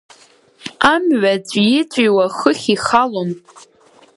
Амҩа ҵәии-ҵәиуа хыхь ихалон…